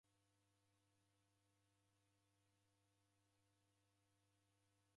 Orekoghe mkongo okiria kutini.